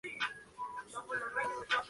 Reclamar valor es otra frase para negociar.